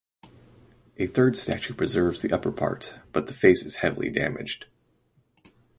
A third statue preserves the upper part but the face is heavily damaged.